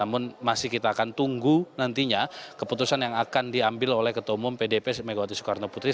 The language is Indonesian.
namun masih kita akan tunggu nantinya keputusan yang akan diambil oleh ketua umum pdp megawati soekarno putri